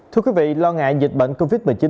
thưa quý vị lo ngại dịch bệnh covid một mươi chín